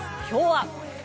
今日は。